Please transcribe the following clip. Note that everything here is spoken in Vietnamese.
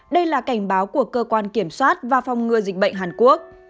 đây là cảnh báo của cơ quan kiểm soát và phòng ngừa dịch bệnh hàn quốc